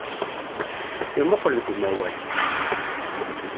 Imuqel deg umawal.